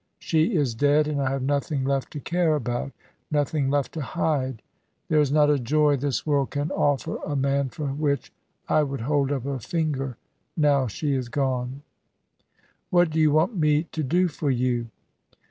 She is dead, and I have nothing left to care about nothing left to hide. There is not a joy this world can offer to man for which I would hold up a finger now she is gone." "What do you want me to do for you?"